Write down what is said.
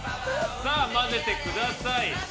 さあ、混ぜてください。